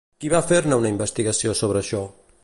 Qui va fer-ne una investigació sobre això?